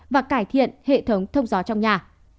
và cải thiện hệ thống thông gió trong nhà